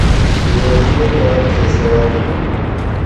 نیکو بار خوشحال ہوُ